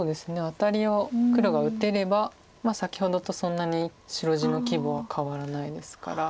アタリを黒が打てれば先ほどとそんなに白地の規模は変わらないですから。